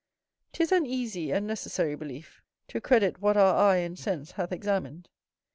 'Tis an easy and necessary belief, to credit what our eye and sense hath examined.